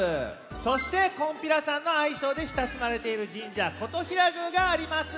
そして「こんぴらさん」のあいしょうでしたしまれているじんじゃ金刀比羅宮があります。